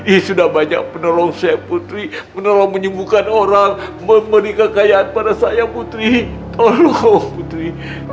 ini sudah banyak penolong saya putri menolong menyembuhkan orang memberi kekayaan pada saya putri tolong putri